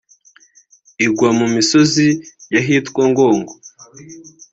igwa mu mu misozi y’ahitwa Ngong